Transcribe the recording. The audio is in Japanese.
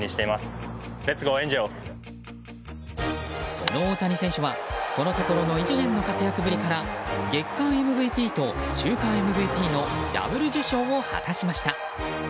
その大谷選手は、このところの異次元の活躍ぶりから月間ＭＶＰと週間ＭＶＰのダブル受賞を果たしました。